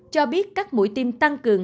cho biết các mũi tiêm tăng cường